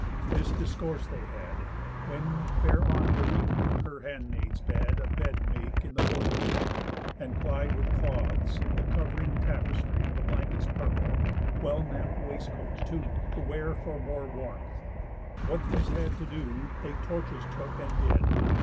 This discourse they had; When fair arm'd Arete her handmaids bad A bed make in the portico, and ply With clothes, the cov'ring tapestry, The blankets purple; well napp'd waistcoats too, To wear for more warmth. What these had to do, They torches took and did.